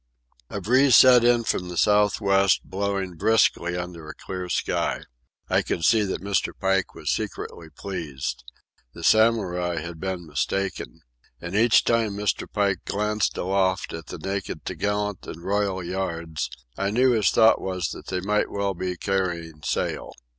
A breeze set in from the south west, blowing briskly under a clear sky. I could see that Mr. Pike was secretly pleased. The Samurai had been mistaken. And each time Mr. Pike glanced aloft at the naked topgallant and royal yards, I knew his thought was that they might well be carrying sail.